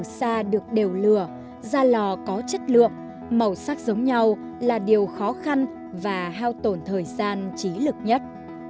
đất từ xa được đều lửa da lò có chất lượng màu sắc giống nhau là điều khó khăn và hao tổn thời gian trí lực nhất